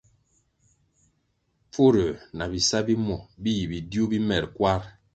Pfurųer na bisa bi muo bi yi bidiuh bi mer kwar.